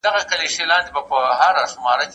د کمال لوړو پوړیو ته رسیدل ټولني ته اړتیا لري.